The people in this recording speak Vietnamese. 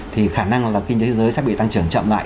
thì khả năng là kinh tế thế giới sẽ bị tăng trưởng chậm lại